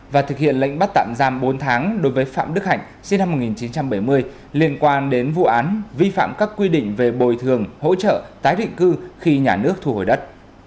và thực hiện lệnh bắt tạm giam bốn tháng đối với phạm đức hạnh sinh năm một nghìn chín trăm bảy mươi liên quan đến vụ án vi phạm các quy định về bồi thường hỗ trợ tái định cư khi nhà nước thu hồi đất